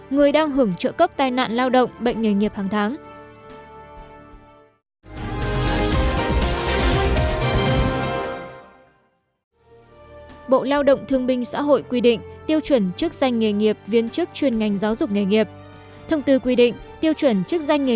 người đang hưởng trợ cấp tai nạn lao động bệnh nghề nghiệp hàng tháng